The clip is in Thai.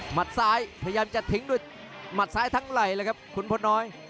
ซ้ายพยายามจะทิ้งด้วยหมัดซ้ายทั้งไหล่เลยครับขุนพลน้อย